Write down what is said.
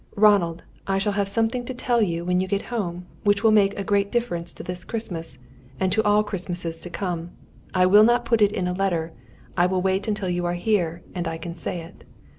"'Ronald, I shall have something to tell you when you get home, which will make a great difference to this Christmas, and to all Christmas times to come. I will not put it into a letter. I will wait until you are here, and I can say it.'"